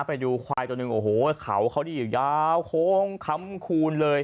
ไปดูควายตัวหนึ่งโอ้โหเขาเขานี่ยาวโค้งค้ำคูณเลย